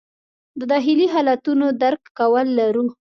د داخلي حالتونو درک کول لرو.